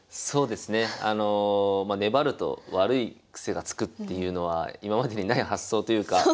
そうですねあの粘ると悪い癖がつくっていうのは今までにない発想というか。